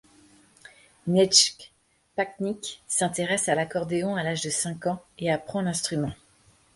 Nejc Pačnik s'intéresse à l'accordéon à l'âge de cinq ans et apprend l'instrument.